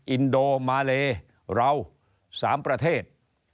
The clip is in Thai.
อินโดมาเลเรา๓ประเทศ